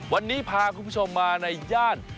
วันนี้พาคุณผู้ชมมาในย่าน